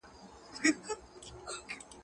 په دین کې عمل کول د استقامت پرته ګران دی.